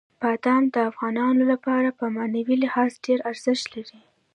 بادام د افغانانو لپاره په معنوي لحاظ ډېر ارزښت لري.